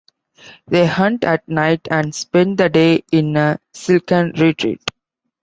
They hunt at night and spend the day in a silken retreat.